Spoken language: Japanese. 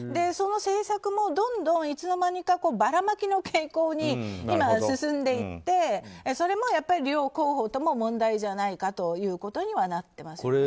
その政策もどんどん、いつの間にかばらまきの傾向に今、進んでいってそれも両候補とも問題じゃないかということにはなっていますね。